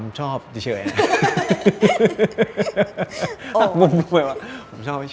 อิฉาเด็กสมัยนี้มั้ยคะดูด้วยครับอเจมส์ไม่ครับรู้สึกสมัยเราดีว่า